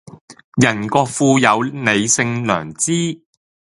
人各賦有理性良知